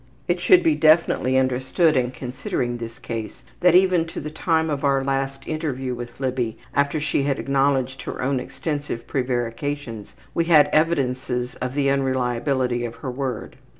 '' It should be definitely understood in considering this case that even to the time of our last interview with Libby, after she had acknowledged her own extensive prevarications, we had evidences of the unreliability of her word.